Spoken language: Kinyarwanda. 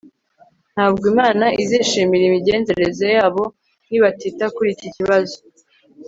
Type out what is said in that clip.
ntabwo imana izishimira imigenzereze yabo nibatita kuri iki kibazo